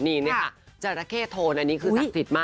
นี่น่ะจรคร่าเข้โทนอันนี้คือศักดิ์ศีลมาก